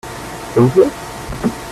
Ça vous plait ?